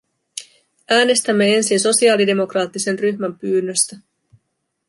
Äänestämme ensin sosialidemokraattisen ryhmän pyynnöstä.